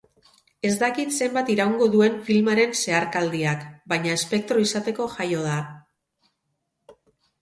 Ez dakit zenbat iraungo duen filmaren zeharkaldiak, baina espektro izateko jaio da.